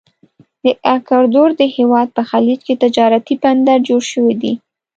د اکوادور د هیواد په خلیج کې تجارتي بندر جوړ شوی دی.